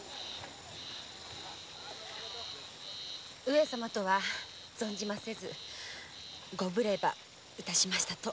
上様とは存じませずご無礼ば致しましたと。